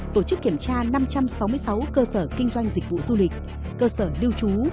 tổ chức kiểm tra năm trăm sáu mươi sáu cơ sở kinh doanh dịch vụ du lịch cơ sở lưu trú